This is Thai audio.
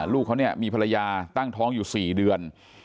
ลูกเขาเนี่ยมีภรรยาตั้งท้องอยู่๔เดือน